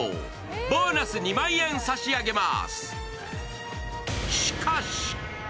ボーナス２万円差し上げます。